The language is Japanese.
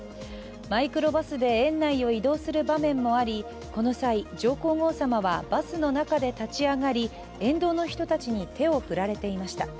マイクロバスで園内を移動する場面もあり、この際、上皇后さまはバスの中で立ち上がり、沿道の人たちに手を振られていました。